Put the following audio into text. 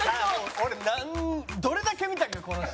俺どれだけ見たかこの人。